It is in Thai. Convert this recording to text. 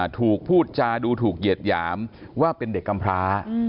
ถูกพูดจาดูถูกเหยียดหยามว่าเป็นเด็กกำพร้า